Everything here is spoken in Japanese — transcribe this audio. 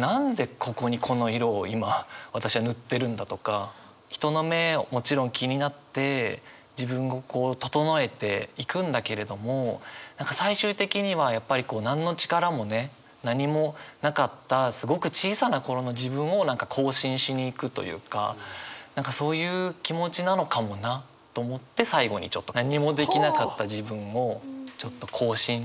何でここにこの色を今私は塗ってるんだとか人の目をもちろん気になって自分をこう整えて行くんだけれども最終的にはやっぱりこう何の力もね何もなかったすごく小さな頃の自分を更新しに行くというか何かそういう気持ちなのかもなと思って最後にちょっと何もできなかった自分をちょっと更新しに行く。